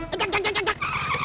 ejak ejak ejak ejak